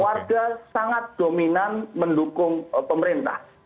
warga sangat dominan mendukung pemerintah